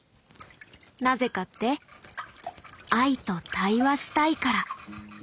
なぜかって藍と対話したいから。